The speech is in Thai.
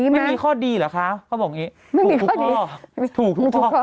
ไม่มีข้อดีเหรอคะเขาบอกอย่างนี้ถูกทุกข้อ